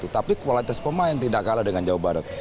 tapi kualitas pemain tidak kalah dengan jawa barat